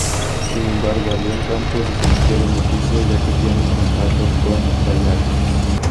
Sin embargo, Adrián Campos desmintió la noticia, ya que tienen contrato con Dallara.